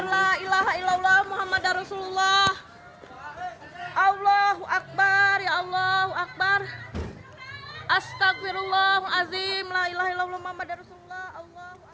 la ilaha illallah muhammad rasulullah allah akbar ya allah akbar astagfirullah azim la ilaha illallah muhammad rasulullah allah akbar